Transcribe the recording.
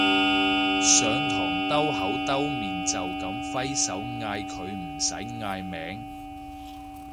上堂兜口兜面就噉揮手嗌佢唔使嗌名